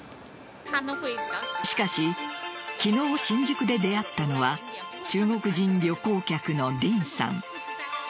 しかし昨日、新宿で出会ったのは中国人旅行客のディンさん。